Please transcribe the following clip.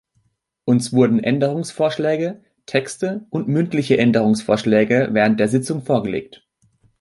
Uns wurden Änderungsvorschläge, Texte und mündliche Änderungsvorschläge während der Sitzung vorgelegt.